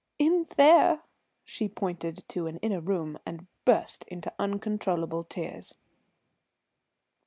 "In there!" she pointed to an inner room, and burst into uncontrollable tears.